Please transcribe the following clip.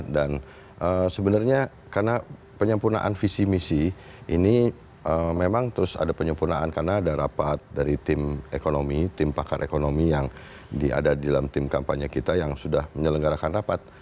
dan sebenarnya karena penyempurnaan visi misi ini memang terus ada penyempurnaan karena ada rapat dari tim ekonomi tim pakar ekonomi yang ada di dalam tim kampanye kita yang sudah menyelenggarakan rapat